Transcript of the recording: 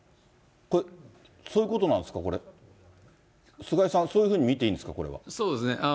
これ、そういうことなんですか、菅井さん、そういうふうに見ていいんですか、そうですね。